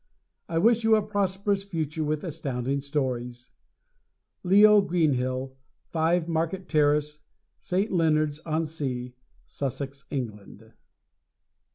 I wish you a prosperous future with Astounding Stories! Leo Greenhill, 5 Market Terrace, St. Leonards on Sea, Sussex, England.